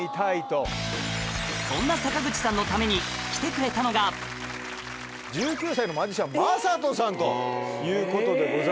そんな坂口さんのために来てくれたのが１９歳のマジシャンｍａｓａｔｏさんということでございます。